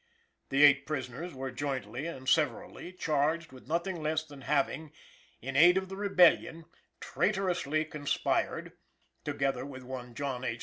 The eight prisoners were jointly and severally charged with nothing less than having, in aid of the Rebellion, "traitorously" conspired, "together with one John H.